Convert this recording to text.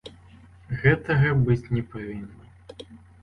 Гэтага быць не павінна!